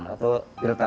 memilah dan membersihkan